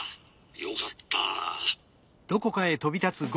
よかった！